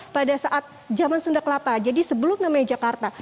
pada saat zaman sunda kelapa jadi sebelum namanya jakarta